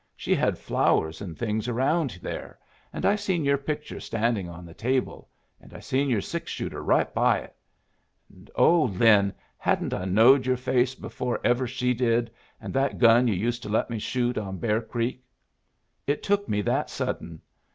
She had flowers and things around there, and I seen your picture standing on the table, and I seen your six shooter right by it and, oh, Lin, hadn't I knowed your face before ever she did, and that gun you used to let me shoot on Bear Creek? It took me that sudden!